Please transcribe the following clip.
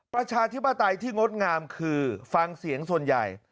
ประชาธิปไตยที่งดงามคือฟังเสียงส่วนใหญ่